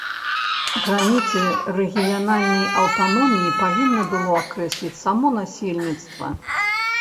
Граніцы рэгіянальнай аўтаноміі павінна было акрэсліць само насельніцтва.